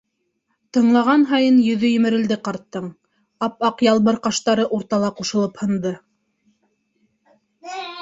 Тыңлаған һайын йөҙө емерелде ҡарттың, ап-аҡ ялбыр ҡаштары уртала ҡушылып һынды.